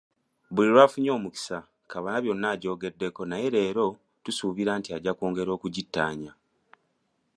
Buli lwafunye omukisa Kamalabyonna ajogeddeko naye ne leero tusuubira nti ajja kwongera okugittaanya.